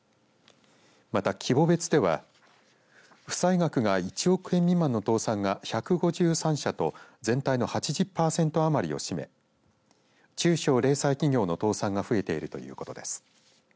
また、規模別では負債額が１億円未満の倒産が１５３社と全体の８０パーセント余りを占め中小・零細企業の倒産が増えているということです。